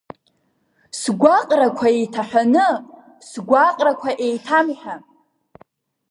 Сгәаҟрақәа еиҭаҳәаны, сгәаҟрақәа еиҭамҳәа…